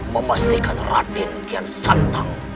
memastikan raden kian santang